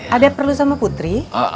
ada perlu sama putri